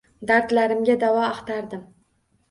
Dardlarimga davo axtardim.